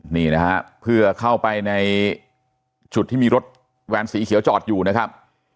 นี่นะฮะเพื่อเข้าไปในจุดที่มีรถแวนสีเขียวจอดอยู่นะครับ